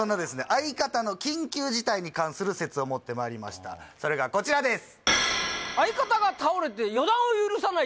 相方の緊急事態に関する説を持ってまいりましたそれがこちらです